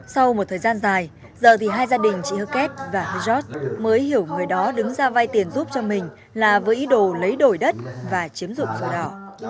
sau một thời gian dài giờ thì hai gia đình chị hơ két và hejót mới hiểu người đó đứng ra vay tiền giúp cho mình là với ý đồ lấy đổi đất và chiếm dụng sổ đỏ